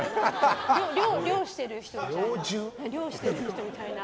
猟をしてる人みたいな。